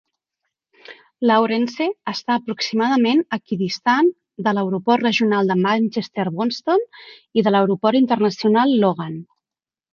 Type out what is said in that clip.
Lawrence està aproximadament equidistant de l'Aeroport Regional de Manchester-Boston i de l'Aeroport Internacional Logan.